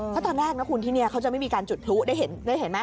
เพราะตอนแรกนะคุณที่นี่เขาจะไม่มีการจุดพลุได้เห็นไหม